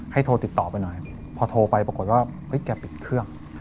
โทรติดต่อไปหน่อยพอโทรไปปรากฏว่าเฮ้ยแกปิดเครื่อง